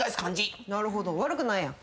なるほど悪くないやん。